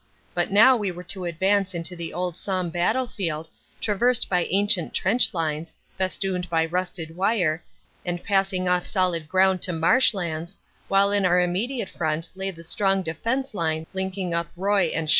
But now we were to advance into the old Somme battlefield, traversed by ancient trench lines, festooned by rusted wire, and passing off solid ground to marsh lands, while in our immediate front lay the strong defense line linking up Roye and Chaulnes.